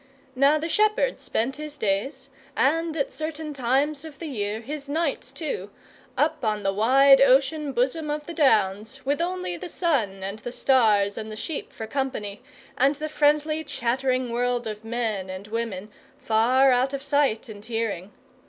Now the shepherd spent his days and at certain times of the year his nights too up on the wide ocean bosom of the Downs, with only the sun and the stars and the sheep for company, and the friendly chattering world of men and women far out of sight and hearing.